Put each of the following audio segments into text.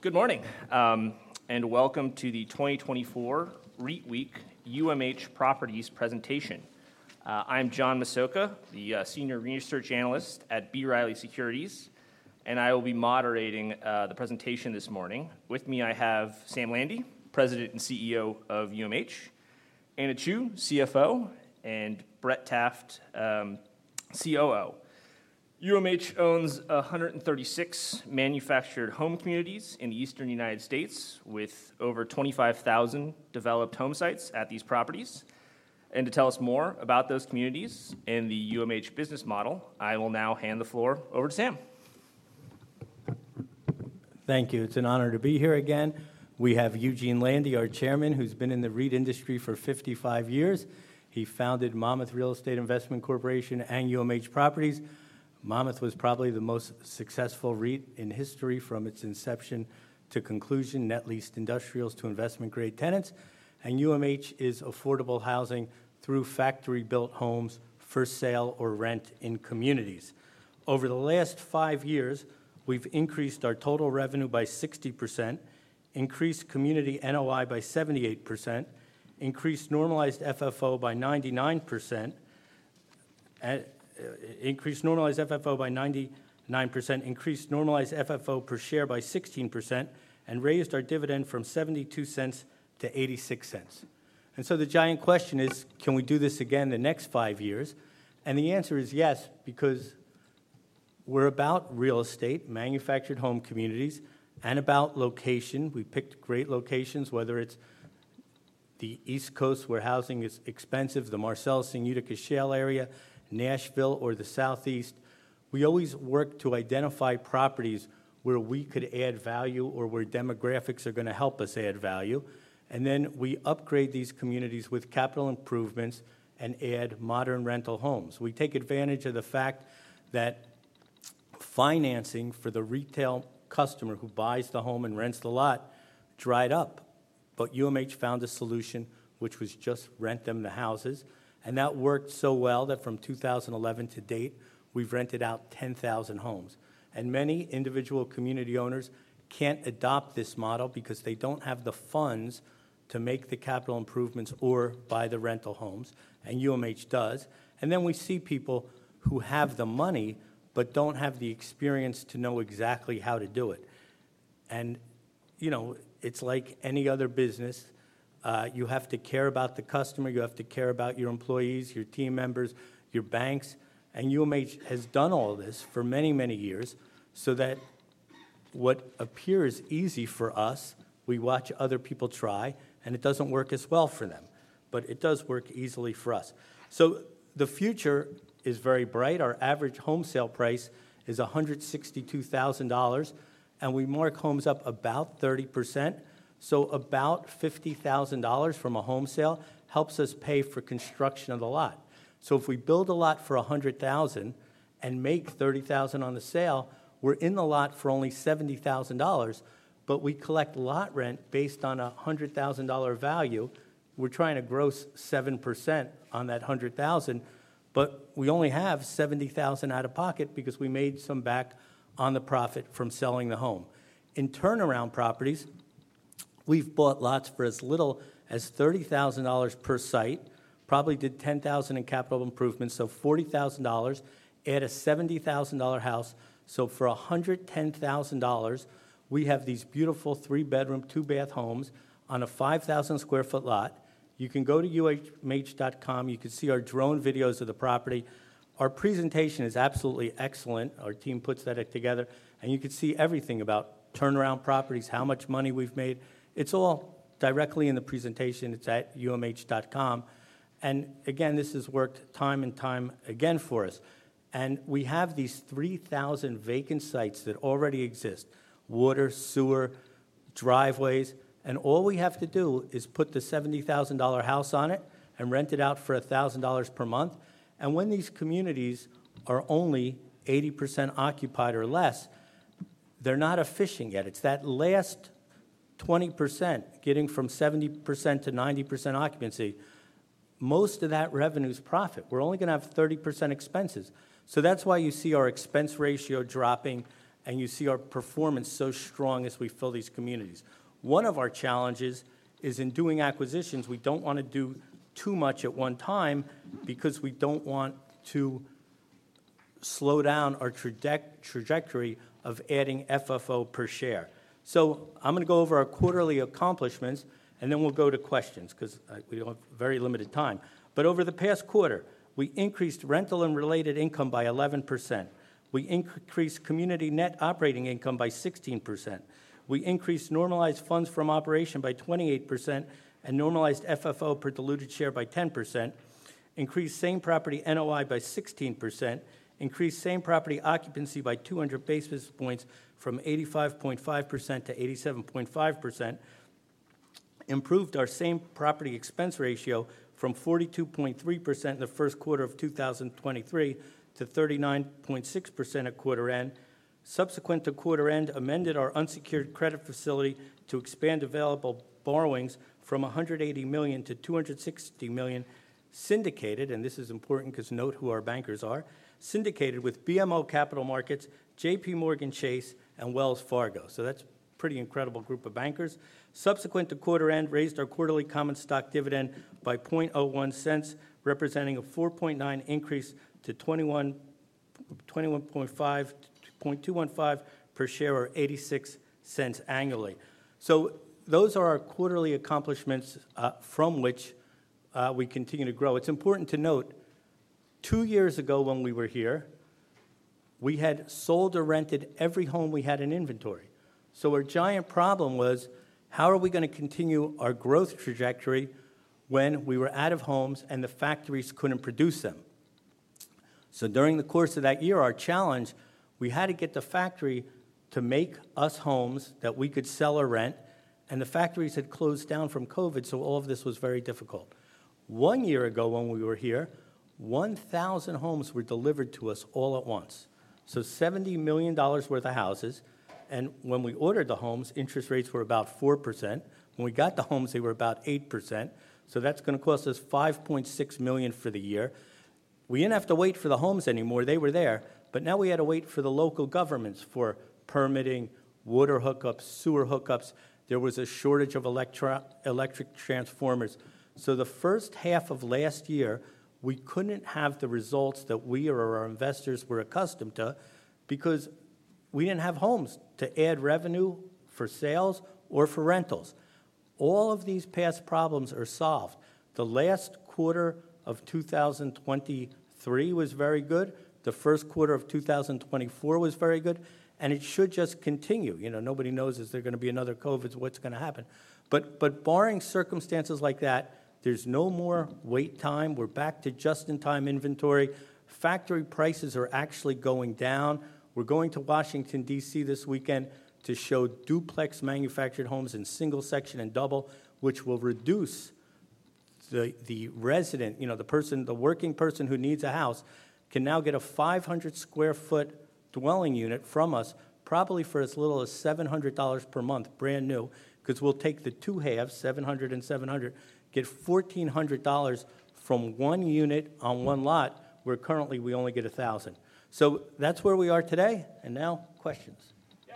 Good morning, and welcome to the 2024 REIT Week UMH Properties presentation. I'm John Massocca, the senior research analyst at B. Riley Securities, and I will be moderating the presentation this morning. With me, I have Sam Landy, President and CEO of UMH, Anna Chew, CFO, and Brett Taft, COO. UMH owns 136 manufactured home communities in the eastern United States, with over 25,000 developed home sites at these properties. To tell us more about those communities and the UMH business model, I will now hand the floor over to Sam. Thank you. It's an honor to be here again. We have Eugene Landy, our chairman, who's been in the REIT industry for 55 years. He founded Monmouth Real Estate Investment Corporation and UMH Properties. Monmouth was probably the most successful REIT in history from its inception to conclusion, net leased industrials to investment-grade tenants, and UMH is affordable housing through factory-built homes for sale or rent in communities. Over the last 5 years, we've increased our total revenue by 60%, increased community NOI by 78%, increased normalized FFO by 99%, and increased normalized FFO by 99%, increased normalized FFO per share by 16%, and raised our dividend from $0.72 to $0.86. And so the giant question is: Can we do this again the next 5 years? And the answer is yes, because we're about real estate, manufactured home communities, and about location. We've picked great locations, whether it's the East Coast, where housing is expensive, the Marcellus and Utica Shale area, Nashville, or the Southeast. We always work to identify properties where we could add value or where demographics are gonna help us add value, and then we upgrade these communities with capital improvements and add modern rental homes. We take advantage of the fact that financing for the retail customer who buys the home and rents the lot dried up, but UMH found a solution, which was just rent them the houses. That worked so well that from 2011 to date, we've rented out 10,000 homes. Many individual community owners can't adopt this model because they don't have the funds to make the capital improvements or buy the rental homes, and UMH does. And then we see people who have the money, but don't have the experience to know exactly how to do it. And, you know, it's like any other business. You have to care about the customer. You have to care about your employees, your team members, your banks, and UMH has done all this for many, many years, so that what appears easy for us, we watch other people try, and it doesn't work as well for them, but it does work easily for us. So the future is very bright. Our average home sale price is $162,000, and we mark homes up about 30%, so about $50,000 from a home sale helps us pay for construction of the lot. So if we build a lot for $100,000 and make $30,000 on the sale, we're in the lot for only $70,000, but we collect lot rent based on a $100,000 value. We're trying to gross 7% on that $100,000, but we only have $70,000 out of pocket because we made some back on the profit from selling the home. In turnaround properties, we've bought lots for as little as $30,000 per site, probably did $10,000 in capital improvements, so $40,000, add a $70,000 house. So for $110,000, we have these beautiful 3 bedroom, 2 bath homes on a 5,000-square-foot lot. You can go to umh.com. You can see our drone videos of the property. Our presentation is absolutely excellent. Our team puts that together, and you can see everything about turnaround properties, how much money we've made. It's all directly in the presentation. It's at umh.com. And again, this has worked time and time again for us, and we have these 3,000 vacant sites that already exist: water, sewer, driveways, and all we have to do is put the $70,000 house on it and rent it out for $1,000 per month. And when these communities are only 80% occupied or less, they're not efficient yet. It's that last 20%, getting from 70% to 90% occupancy. Most of that revenue is profit. We're only gonna have 30% expenses. So that's why you see our expense ratio dropping, and you see our performance so strong as we fill these communities. One of our challenges is in doing acquisitions. We don't wanna do too much at one time because we don't want to slow down our trajectory of adding FFO per share. So I'm gonna go over our quarterly accomplishments, and then we'll go to questions, 'cause we have very limited time. But over the past quarter, we increased rental and related income by 11%. We increased community net operating income by 16%. We increased normalized funds from operation by 28% and normalized FFO per diluted share by 10%, increased same property NOI by 16%, increased same property occupancy by 200 basis points from 85.5% to 87.5%, improved our same property expense ratio from 42.3% in the first quarter of 2023 to 39.6% at quarter end...Subsequent to quarter end, amended our unsecured credit facility to expand available borrowings from $180 million to $260 million, syndicated, and this is important, because note who our bankers are. Syndicated with BMO Capital Markets, JPMorgan Chase, and Wells Fargo. So that's pretty incredible group of bankers. Subsequent to quarter end, raised our quarterly common stock dividend by $0.01, representing a 4.9% increase to $0.21, $0.215 per share, or $0.86 annually. So those are our quarterly accomplishments, from which we continue to grow. It's important to note, two years ago, when we were here, we had sold or rented every home we had in inventory. So our giant problem was: How are we gonna continue our growth trajectory when we were out of homes, and the factories couldn't produce them? So during the course of that year, our challenge, we had to get the factory to make us homes that we could sell or rent, and the factories had closed down from COVID, so all of this was very difficult. One year ago, when we were here, 1,000 homes were delivered to us all at once, so $70 million worth of houses, and when we ordered the homes, interest rates were about 4%. When we got the homes, they were about 8%, so that's gonna cost us $5.6 million for the year. We didn't have to wait for the homes anymore. They were there, but now we had to wait for the local governments for permitting, water hookups, sewer hookups. There was a shortage of electric transformers. So the first half of last year, we couldn't have the results that we or our investors were accustomed to because we didn't have homes to add revenue for sales or for rentals. All of these past problems are solved. The last quarter of 2023 was very good. The first quarter of 2024 was very good, and it should just continue. You know, nobody knows, is there gonna be another COVID? What's gonna happen? But, but barring circumstances like that, there's no more wait time. We're back to just-in-time inventory. Factory prices are actually going down. We're going to Washington, D.C., this weekend to show duplex manufactured homes in single section and double, which will reduce the resident, you know, the person, the working person who needs a house, can now get a 500-square-foot dwelling unit from us, probably for as little as $700 per month, brand new, 'cause we'll take the two halves, $700 and $700, get $1,400 from one unit on one lot, where currently we only get $1,000. So that's where we are today, and now, questions. Yeah,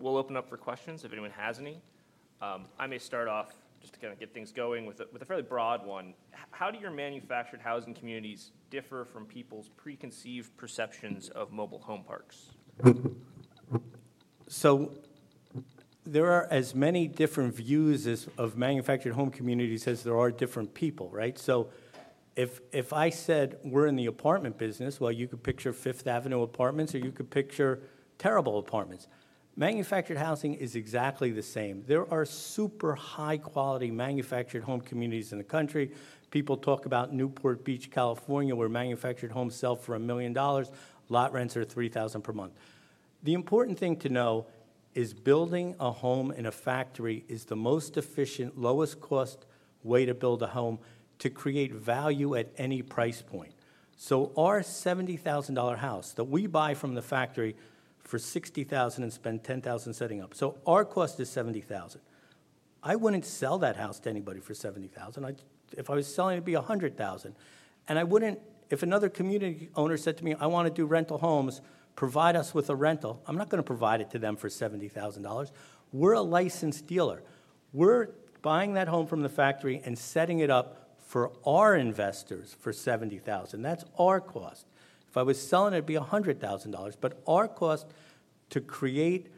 we'll open up for questions, if anyone has any. I may start off just to kinda get things going with a fairly broad one. How do your manufactured housing communities differ from people's preconceived perceptions of mobile home parks? So there are as many different views as of manufactured home communities as there are different people, right? So if, if I said, "We're in the apartment business," well, you could picture Fifth Avenue apartments, or you could picture terrible apartments. Manufactured housing is exactly the same. There are super high-quality manufactured home communities in the country. People talk about Newport Beach, California, where manufactured homes sell for $1 million, lot rents are $3,000 per month. The important thing to know is building a home in a factory is the most efficient, lowest-cost way to build a home, to create value at any price point. So our $70,000 house that we buy from the factory for $60,000 and spend $10,000 setting up, so our cost is $70,000. I wouldn't sell that house to anybody for $70,000. If I was selling, it'd be $100,000, and I wouldn't... If another community owner said to me, "I wanna do rental homes, provide us with a rental," I'm not gonna provide it to them for $70,000. We're a licensed dealer. We're buying that home from the factory and setting it up for our investors for $70,000. That's our cost. If I was selling, it'd be $100,000, but our cost to create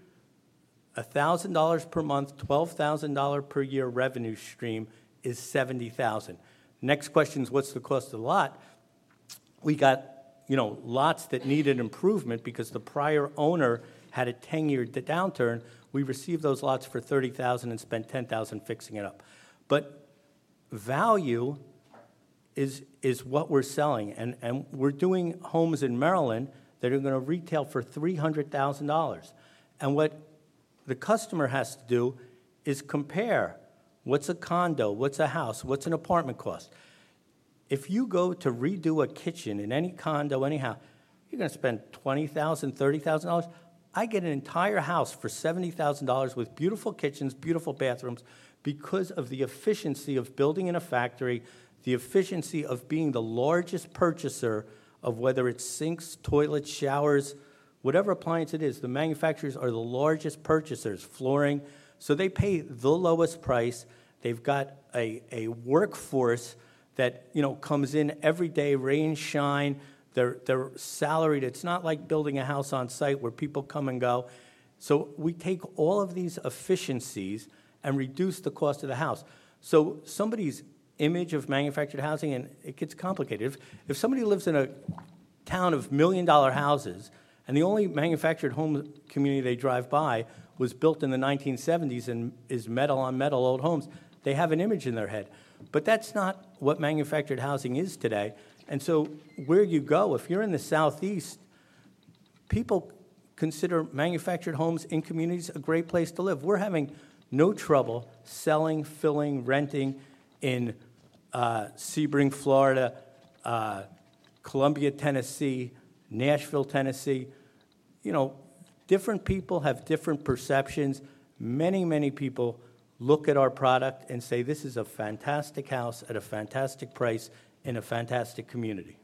$1,000 per month, $12,000 per year revenue stream is $70,000. Next question is, what's the cost of the lot? We got, you know, lots that needed improvement because the prior owner had a 10-year downturn. We received those lots for $30,000 and spent $10,000 fixing it up. But value is, is what we're selling, and, and we're doing homes in Maryland that are gonna retail for $300,000, and what the customer has to do is compare. What's a condo? What's a house? What's an apartment cost? If you go to redo a kitchen in any condo, anyhow, you're gonna spend $20,000, $30,000. I get an entire house for $70,000 with beautiful kitchens, beautiful bathrooms, because of the efficiency of building in a factory, the efficiency of being the largest purchaser of whether it's sinks, toilets, showers. Whatever appliance it is, the manufacturers are the largest purchasers. Flooring. So they pay the lowest price. They've got a, a workforce that, you know, comes in every day, rain, shine. They're, they're salaried. It's not like building a house on site, where people come and go. So we take all of these efficiencies and reduce the cost of the house. So somebody's image of manufactured housing, and it gets complicated. If, if somebody lives in a town of million-dollar houses, and the only manufactured home community they drive by was built in the 1970s and is metal-on-metal old homes, they have an image in their head. But that's not what manufactured housing is today. And so where you go, if you're in the Southeast, people consider manufactured homes in communities a great place to live. We're having no trouble selling, filling, renting Sebring, Florida, Columbia, Tennessee, Nashville, Tennessee. You know, different people have different perceptions. Many, many people look at our product and say, "This is a fantastic house at a fantastic price in a fantastic community.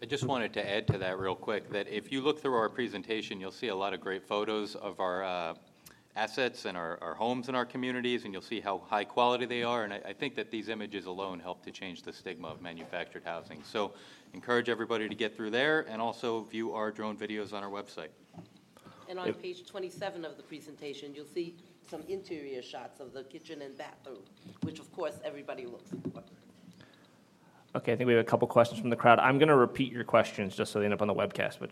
I just wanted to add to that real quick, that if you look through our presentation, you'll see a lot of great photos of our assets and our homes in our communities, and you'll see how high quality they are. I think that these images alone help to change the stigma of manufactured housing. Encourage everybody to get through there, and also view our drone videos on our website. On page 27 of the presentation, you'll see some interior shots of the kitchen and bathroom, which of course, everybody looks at. Okay, I think we have a couple questions from the crowd. I'm gonna repeat your questions just so they end up on the webcast, but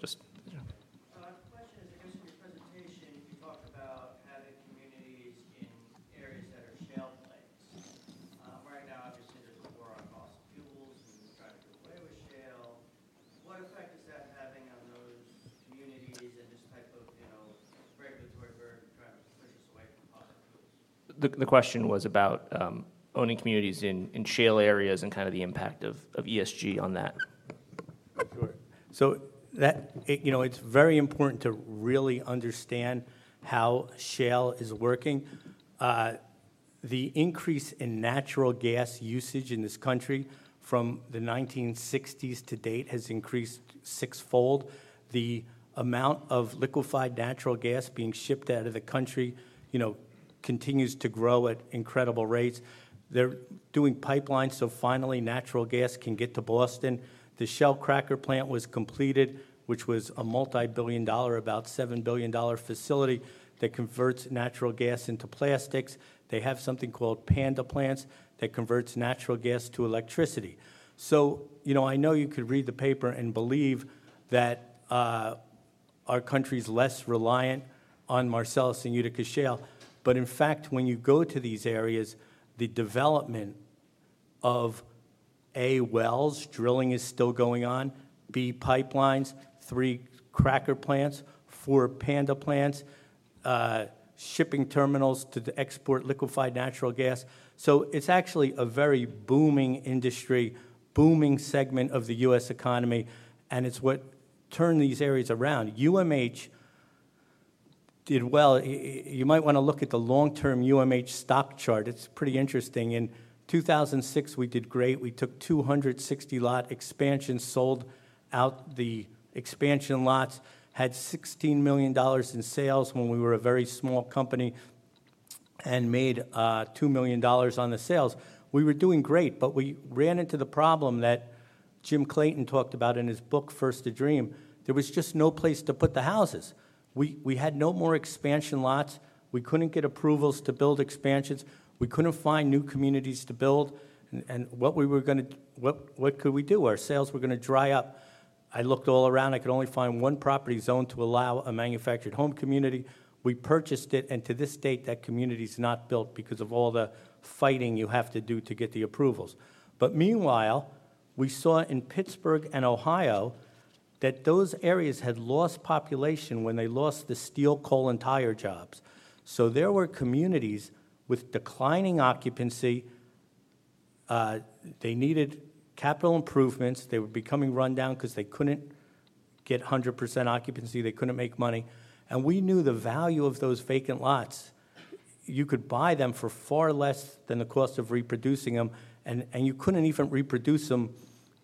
just... The question is, in your presentation, you talked about having communities in areas that are shale plays. Right now, obviously, there's a war on fossil fuels, and we're trying to do away with shale. What effect is that having on those communities and this type of, you know, regulatory burden trying to push us away from fossil fuels? The question was about owning communities in shale areas and kinda the impact of ESG on that. Sure. So that, it... You know, it's very important to really understand how shale is working. The increase in natural gas usage in this country from the 1960s to date has increased sixfold. The amount of liquefied natural gas being shipped out of the country, you know, continues to grow at incredible rates. They're doing pipelines, so finally, natural gas can get to Boston. The Shell cracker plant was completed, which was a multi-billion-dollar, about $7 billion facility, that converts natural gas into plastics. They have something called Panda plants, that converts natural gas to electricity. So, you know, I know you could read the paper and believe that our country's less reliant on Marcellus and Utica Shale, but in fact, when you go to these areas, the development of A, wells, drilling is still going on. B, pipelines, 3 cracker plants, 4 Panda plants, shipping terminals to export liquefied natural gas. So it's actually a very booming industry, booming segment of the U.S. economy, and it's what turned these areas around. UMH did well. You might wanna look at the long-term UMH stock chart. It's pretty interesting. In 2006, we did great. We took 260 lot expansions, sold out the expansion lots, had $16 million in sales when we were a very small company, and made $2 million on the sales. We were doing great, but we ran into the problem that Jim Clayton talked about in his book, First a Dream. There was just no place to put the houses. We had no more expansion lots. We couldn't get approvals to build expansions. We couldn't find new communities to build. And what we were gonna - what could we do? Our sales were gonna dry up. I looked all around. I could only find one property zoned to allow a manufactured home community. We purchased it, and to this date, that community's not built because of all the fighting you have to do to get the approvals. But meanwhile, we saw in Pittsburgh and Ohio, that those areas had lost population when they lost the steel, coal, and tire jobs. So there were communities with declining occupancy. They needed capital improvements. They were becoming run down 'cause they couldn't get 100% occupancy. They couldn't make money. And we knew the value of those vacant lots. You could buy them for far less than the cost of reproducing them, and you couldn't even reproduce them,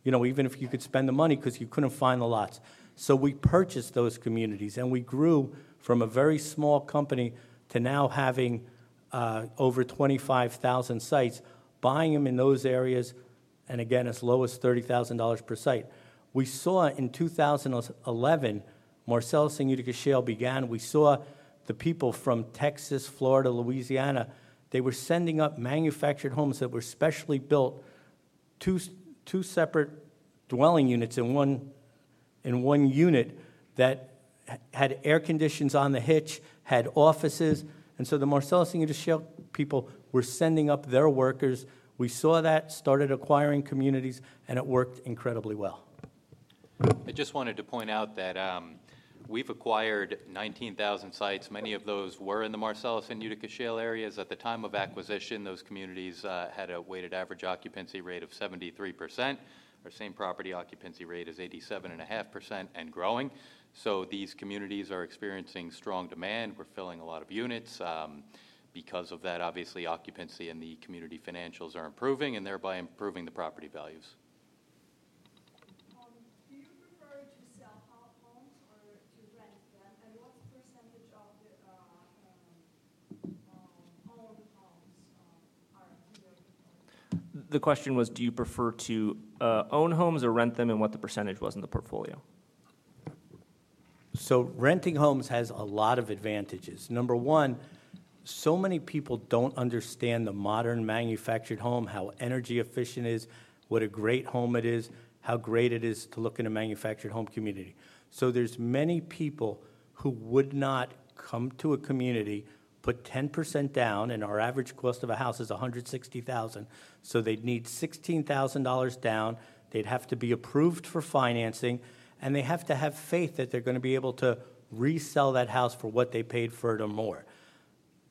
you know, even if you could spend the money, 'cause you couldn't find the lots. So we purchased those communities, and we grew from a very small company to now having over 25,000 sites, buying them in those areas, and again, as low as $30,000 per site. We saw in 2011, Marcellus and Utica Shale began. We saw the people from Texas, Florida, Louisiana, they were sending up manufactured homes that were specially built, two separate dwelling units in one, in one unit, that had air conditioners on the hitch, had offices. The Marcellus and Utica Shale people were sending up their workers. We saw that, started acquiring communities, and it worked incredibly well. I just wanted to point out that, we've acquired 19,000 sites. Many of those were in the Marcellus and Utica Shale areas. At the time of acquisition, those communities, had a weighted average occupancy rate of 73%. Our same property occupancy rate is 87.5% and growing. So these communities are experiencing strong demand. We're filling a lot of units. Because of that, obviously, occupancy and the community financials are improving, and thereby improving the property values. Do you prefer to sell homes or to rent them? And what percentage of the owned homes are rented out? The question was, do you prefer to own homes or rent them, and what the percentage was in the portfolio? So renting homes has a lot of advantages. Number 1, so many people don't understand the modern manufactured home, how energy efficient it is, what a great home it is, how great it is to look in a manufactured home community. So there's many people who would not come to a community, put 10% down, and our average cost of a house is $160,000, so they'd need $16,000 down. They'd have to be approved for financing, and they have to have faith that they're gonna be able to resell that house for what they paid for it or more.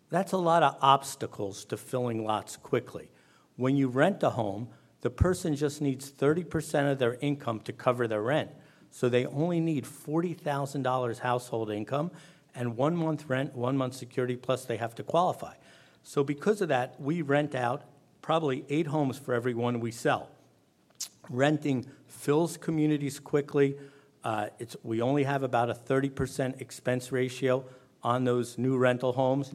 That's a lot of obstacles to filling lots quickly. When you rent a home, the person just needs 30% of their income to cover their rent, so they only need $40,000 household income, and 1 month rent, 1 month security, plus they have to qualify. So because of that, we rent out probably 8 homes for every 1 we sell. Renting fills communities quickly. It's we only have about a 30% expense ratio on those new rental homes.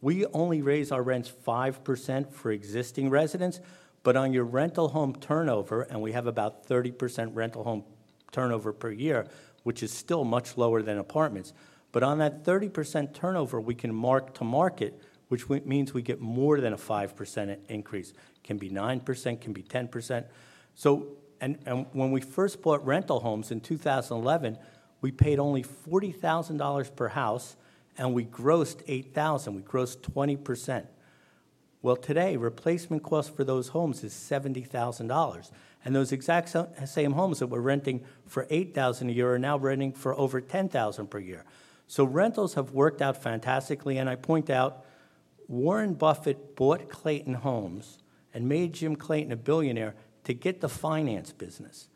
We only raise our rents 5% for existing residents, but on your rental home turnover, and we have about 30% rental home turnover per year, which is still much lower than apartments, but on that 30% turnover, we can mark to market, which means we get more than a 5% increase. Can be 9%, can be 10%. When we first bought rental homes in 2011, we paid only $40,000 per house, and we grossed $8,000. We grossed 20%. Well, today, replacement cost for those homes is $70,000, and those exact same homes that we're renting for $8,000 a year are now renting for over $10,000 per year. So rentals have worked out fantastically, and I point out, Warren Buffett bought Clayton Homes and made Jim Clayton a billionaire to get the finance business.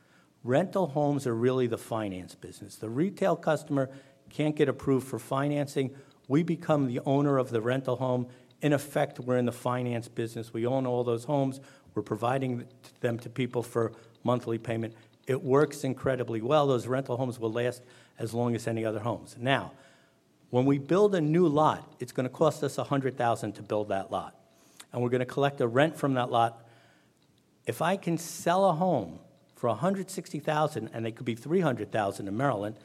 Rental homes are really the finance business. The retail customer can't get approved for financing. We become the owner of the rental home. In effect, we're in the finance business. We own all those homes. We're providing them to people for monthly payment. It works incredibly well. Those rental homes will last as long as any other homes. Now, when we build a new lot, it's gonna cost us $100,000 to build that lot, and we're gonna collect the rent from that lot. If I can sell a home for $160,000, and it could be $300,000 in Maryland,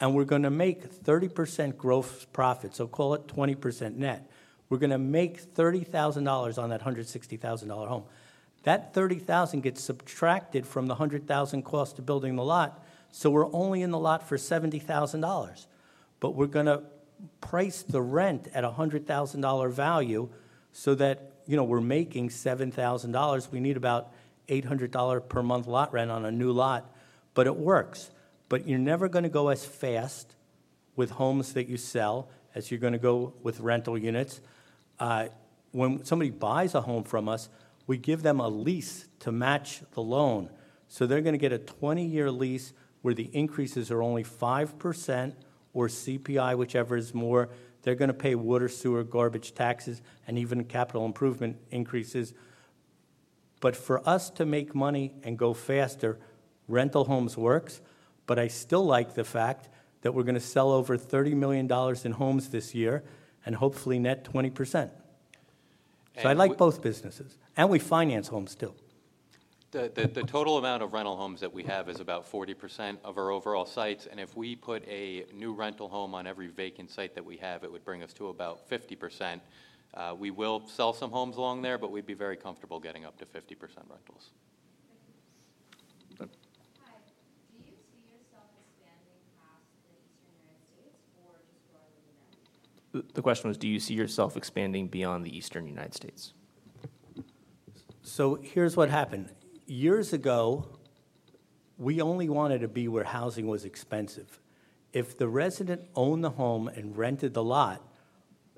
and we're gonna make 30% gross profit, so call it 20% net. We're gonna make $30,000 on that $160,000 home. That $30,000 gets subtracted from the $100,000 cost of building the lot, so we're only in the lot for $70,000. But we're gonna price the rent at a $100,000 value so that, you know, we're making $7,000. We need about $800 per month lot rent on a new lot, but it works. But you're never gonna go as fast with homes that you sell, as you're gonna go with rental units. When somebody buys a home from us, we give them a lease to match the loan. So they're gonna get a 20-year lease, where the increases are only 5% or CPI, whichever is more. They're gonna pay water, sewer, garbage, taxes, and even capital improvement increases. But for us to make money and go faster, rental homes works, but I still like the fact that we're gonna sell over $30 million in homes this year and hopefully net 20%. And I like both businesses, and we finance homes still. The total amount of rental homes that we have is about 40% of our overall sites, and if we put a new rental home on every vacant site that we have, it would bring us to about 50%. We will sell some homes along there, but we'd be very comfortable getting up to 50% rentals. Thank you. Okay. Hi, do you see yourself expanding past the Eastern United States or just broadly in that? The question was, do you see yourself expanding beyond the Eastern United States? So here's what happened. Years ago, we only wanted to be where housing was expensive. If the resident owned the home and rented the lot,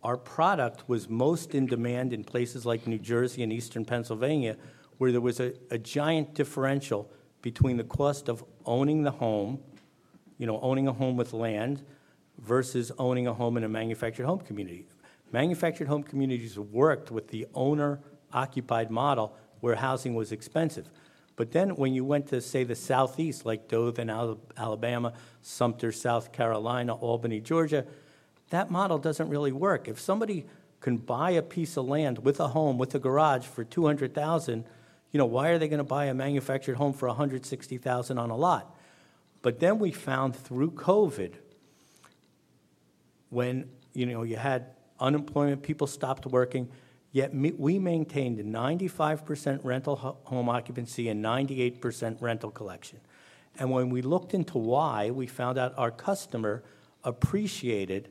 our product was most in demand in places like New Jersey and eastern Pennsylvania, where there was a giant differential between the cost of owning the home, you know, owning a home with land, versus owning a home in a manufactured home community. Manufactured home communities worked with the owner-occupied model, where housing was expensive. But then, when you went to, say, the Southeast, like Dothan, Alabama, Sumter, South Carolina, Albany, Georgia, that model doesn't really work. If somebody can buy a piece of land with a home, with a garage for $200,000, you know, why are they gonna buy a manufactured home for $160,000 on a lot? But then we found through COVID, when, you know, you had unemployment, people stopped working, yet we maintained a 95% rental home occupancy and 98% rental collection. And when we looked into why, we found out our customer appreciated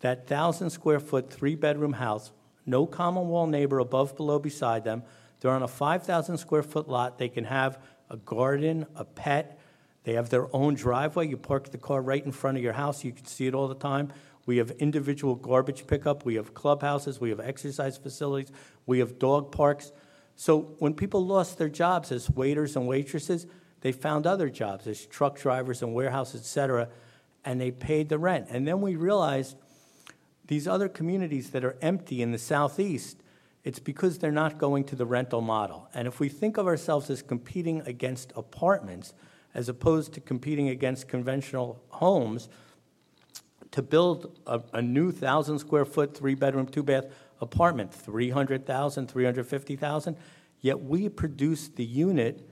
that 1,000 square foot, 3 bedroom house, no common wall neighbor above, below, beside them. They're on a 5,000 square foot lot. They can have a garden, a pet. They have their own driveway. You park the car right in front of your house, you can see it all the time. We have individual garbage pickup. We have clubhouses. We have exercise facilities. We have dog parks. So when people lost their jobs as waiters and waitresses, they found other jobs as truck drivers and warehouse, et cetera, and they paid the rent. And then we realized, these other communities that are empty in the Southeast, it's because they're not going to the rental model. And if we think of ourselves as competing against apartments, as opposed to competing against conventional homes, to build a, a new 1,000 sq ft, 3 bedroom, 2 bath apartment, $300,000 to $350,000, yet we produce the unit,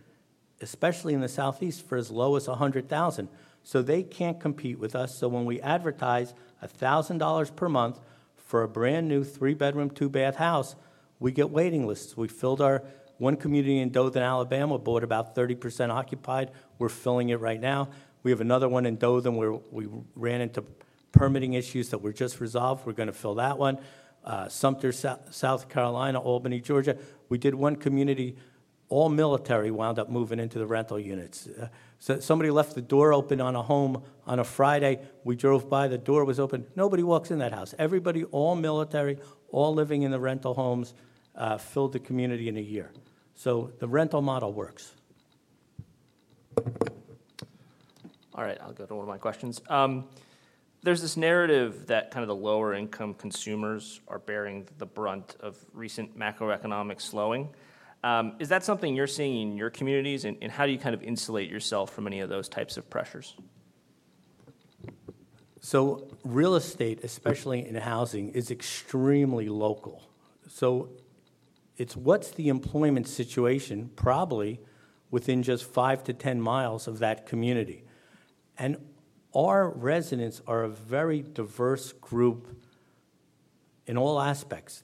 especially in the Southeast, for as low as $100,000. So they can't compete with us. So when we advertise $1,000 per month for a brand-new 3 bedroom, 2 bath house, we get waiting lists. We filled our one community in Dothan, Alabama, bought about 30% occupied. We're filling it right now. We have another one in Dothan, where we ran into permitting issues that were just resolved. We're gonna fill that one. Sumter, South Carolina, Albany, Georgia, we did one community...All military wound up moving into the rental units. So somebody left the door open on a home on a Friday. We drove by, the door was open. Nobody walks in that house. Everybody, all military, all living in the rental homes, filled the community in a year. So the rental model works. All right, I'll go to one of my questions. There's this narrative that kind of the lower income consumers are bearing the brunt of recent macroeconomic slowing. Is that something you're seeing in your communities, and, and how do you kind of insulate yourself from any of those types of pressures? Real estate, especially in housing, is extremely local. It's what's the employment situation, probably within just 5 to 10 miles of that community? Our residents are a very diverse group in all aspects.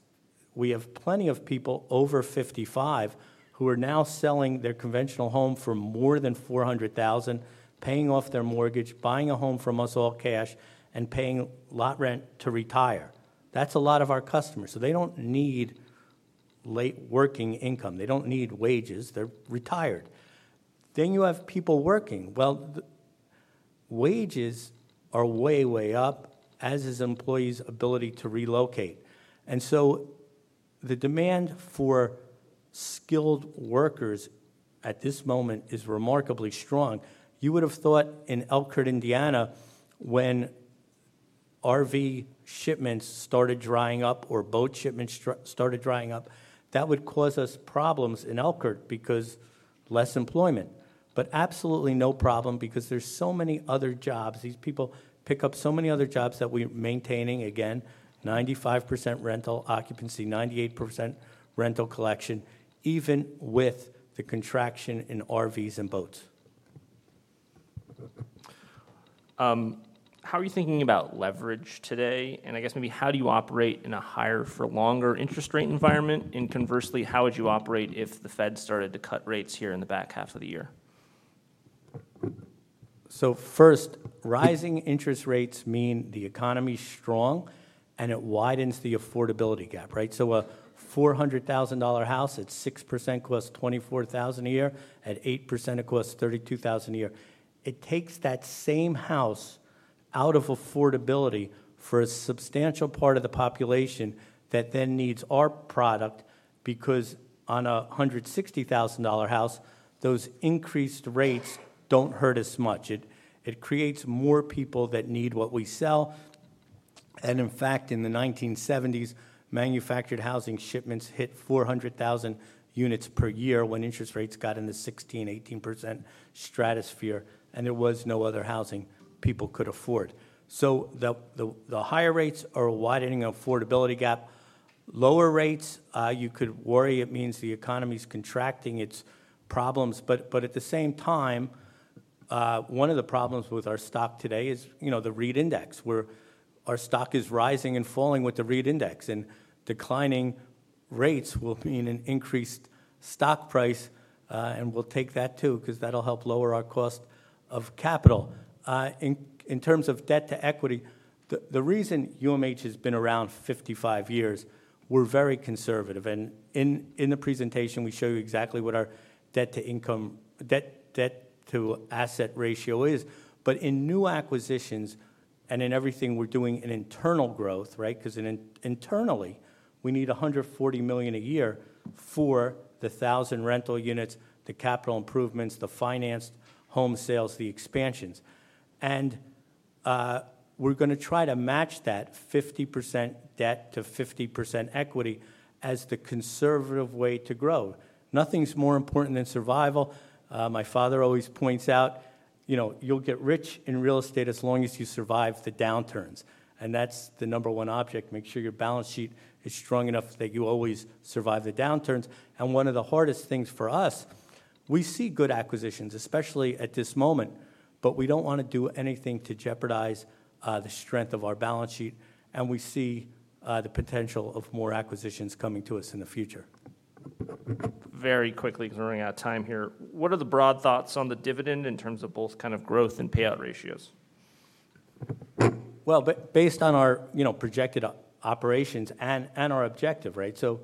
We have plenty of people over 55, who are now selling their conventional home for more than $400,000, paying off their mortgage, buying a home from us all cash, and paying lot rent to retire. That's a lot of our customers. They don't need late working income. They don't need wages. They're retired. Then you have people working. Well, the wages are way, way up, as is employees' ability to relocate. And so the demand for skilled workers at this moment is remarkably strong. You would have thought in Elkhart, Indiana, when RV shipments started drying up or boat shipments started drying up, that would cause us problems in Elkhart because less employment, but absolutely no problem, because there's so many other jobs. These people pick up so many other jobs that we're maintaining, again, 95% rental occupancy, 98% rental collection, even with the contraction in RVs and boats. How are you thinking about leverage today? And I guess maybe how do you operate in a higher for longer interest rate environment? And conversely, how would you operate if the Fed started to cut rates here in the back half of the year? So first, rising interest rates mean the economy's strong, and it widens the affordability gap, right? So a $400,000 house at 6% costs $24,000 a year, at 8%, it costs $32,000 a year. It takes that same house out of affordability for a substantial part of the population that then needs our product, because on a $160,000 house, those increased rates don't hurt as much. It creates more people that need what we sell. And in fact, in the 1970s, manufactured housing shipments hit 400,000 units per year when interest rates got in the 16%-18% stratosphere, and there was no other housing people could afford. So the higher rates are widening the affordability gap. Lower rates, you could worry it means the economy's contracting, its problems, but at the same time, one of the problems with our stock today is, you know, the REIT index, where our stock is rising and falling with the REIT index. And declining rates will mean an increased stock price, and we'll take that too, 'cause that'll help lower our cost of capital. In terms of debt to equity, the reason UMH has been around 55 years, we're very conservative, and in the presentation, we show you exactly what our debt to income... debt to asset ratio is. But in new acquisitions and in everything, we're doing an internal growth, right? 'Cause internally, we need $140 million a year for the 1,000 rental units, the capital improvements, the financed home sales, the expansions. We're gonna try to match that 50% debt to 50% equity as the conservative way to grow. Nothing's more important than survival. My father always points out, "You know, you'll get rich in real estate as long as you survive the downturns." That's the number one object: make sure your balance sheet is strong enough that you always survive the downturns. One of the hardest things for us, we see good acquisitions, especially at this moment, but we don't want to do anything to jeopardize the strength of our balance sheet, and we see the potential of more acquisitions coming to us in the future. Very quickly, because we're running out of time here, what are the broad thoughts on the dividend in terms of both kind of growth and payout ratios? Well, based on our, you know, projected operations and, and our objective, right? So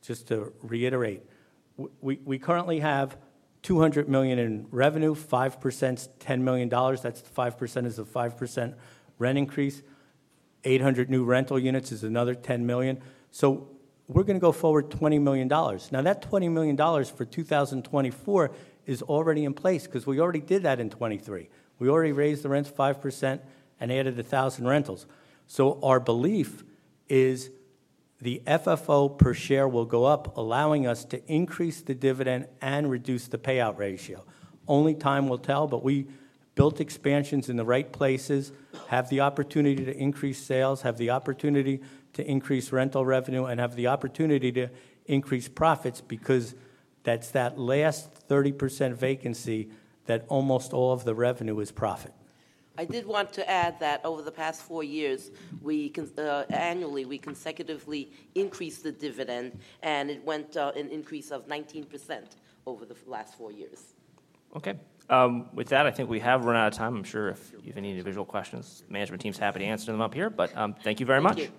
just to reiterate, we, we currently have $200 million in revenue. 5% is $10 million, that's 5% is a 5% rent increase. 800 new rental units is another $10 million. So we're gonna go forward $20 million. Now, that $20 million for 2024 is already in place, 'cause we already did that in 2023. We already raised the rents 5% and added 1,000 rentals. So our belief is the FFO per share will go up, allowing us to increase the dividend and reduce the payout ratio. Only time will tell, but we built expansions in the right places, have the opportunity to increase sales, have the opportunity to increase rental revenue, and have the opportunity to increase profits, because that's that last 30% vacancy that almost all of the revenue is profit. I did want to add that over the past four years, we annually, we consecutively increased the dividend, and it went an increase of 19% over the last four years. Okay, with that, I think we have run out of time. I'm sure if you have any individual questions, management team's happy to answer them up here. But, thank you very much.